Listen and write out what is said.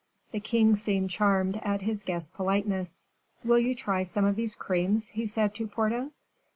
The king seemed charmed at his guest's politeness. "Will you try some of these creams?" he said to Porthos.